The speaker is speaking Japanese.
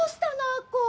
亜子。